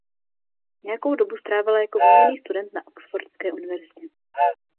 Nějakou dobu strávila jako výměnný student na Oxfordské univerzitě.